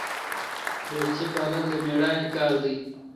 دوستي پالل د میړانې کار دی.